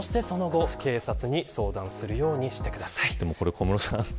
小室さん